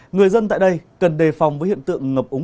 người dân tại đây cần đề phòng với hiện tượng ngập úng